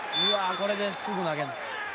これですぐ投げるの？」